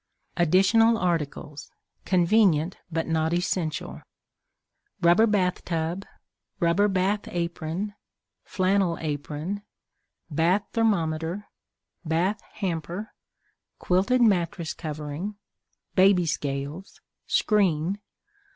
Additional Articles; Convenient but Not Essential. Rubber Bathtub. Rubber Bath Apron. Flannel Apron. Bath Thermometer. Bath Hamper. Quilted Mattress Covering. Baby Scales. Screen.